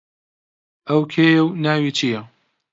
ئەو کێیە و ناوی چییە؟